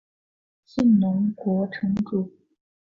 信浓国城主。